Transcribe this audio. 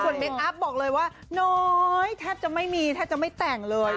เมคอัพบอกเลยว่าน้อยแทบจะไม่มีแทบจะไม่แต่งเลย